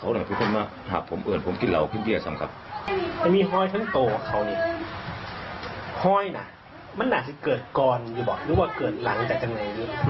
ห้อยนะมันอาจจะเกิดก่อนหรือหลังจากจังหลังพี่ไหนห้อยนะ